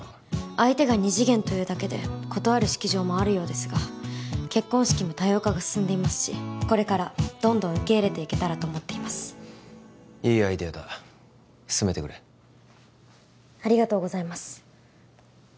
相手が二次元というだけで断る式場もあるようですが結婚式も多様化が進んでいますしこれからどんどん受け入れていけたらと思っていますいいアイディアだ進めてくれありがとうございます